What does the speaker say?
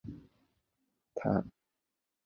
斜肩芋螺为芋螺科芋螺属下的一个种。